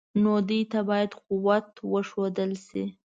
نو دوی ته باید قوت وښودل شي.